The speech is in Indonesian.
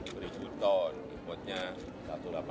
menjaga suplai dan demand kenapa apa